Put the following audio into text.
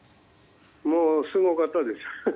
もうすごかったです。